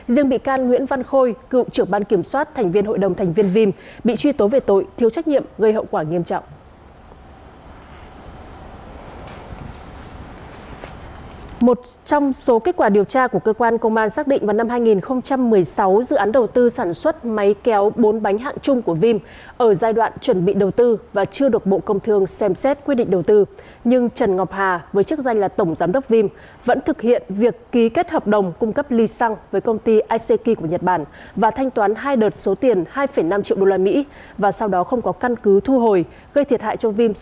trần ngọc hà cựu chủ tịch hội đồng thành viên cựu chủ tịch hội đồng thành viên gây thất thoát lãng phí